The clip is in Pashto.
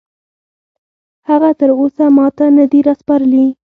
هغه تراوسه ماته نه دي راسپارلي.